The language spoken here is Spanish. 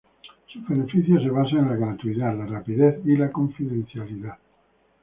Sus beneficios se basan en la gratuidad, la rapidez y la confidencialidad.